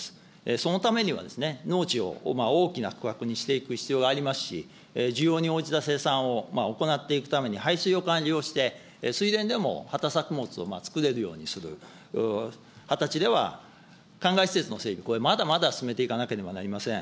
そのためには、農地を大きな区画にしていく必要がありますし、需要に応じた生産を行っていくために、排水を管理をして、水田でも畑作物を作れるようにする、畑地ではかんがい施設の整備、これ、まだまだ進めていかなければなりません。